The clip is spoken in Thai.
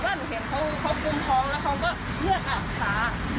เลือดอาบขาเลย